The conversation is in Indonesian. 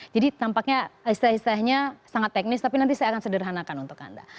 jadi tampaknya iseh isahnya sangat teknis tapi nanti saya akan sederhanakan untuk anda